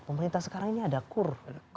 pemerintah sekarang ini ada kur